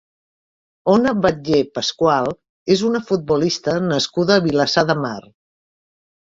Ona Batlle Pascual és una futbolista nascuda a Vilassar de Mar.